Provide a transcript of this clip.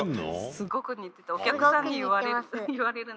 すごく似ててお客さんに言われるんです。